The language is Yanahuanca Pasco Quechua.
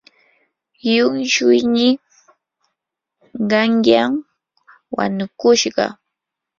llumtsuynii qanyan wanukushqa.